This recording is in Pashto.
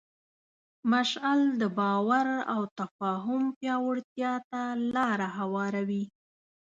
مشعل د باور او تفاهم پیاوړتیا ته لاره هواروي.